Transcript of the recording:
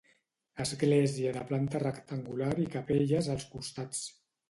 Església de planta rectangular i capelles als costats.